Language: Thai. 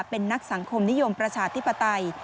เป็นนักสังคมนิยมประชาธิปไตย